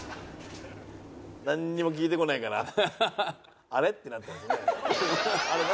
なんにも聞いてこないからあれ？ってなってますね。